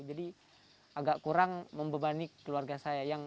jadi agak kurang membebani keluarga saya